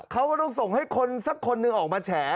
เขาก็ต้องส่งให้คนสักคนหนึ่งออกมาแฉ